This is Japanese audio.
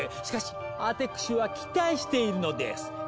しかしアテクシは期待しているのです！